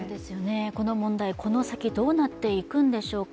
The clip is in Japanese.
この問題、この先どうなっていくんでしょうか。